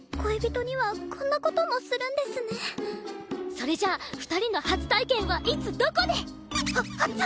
それじゃあ２人の初体験はいつどこで？は初！？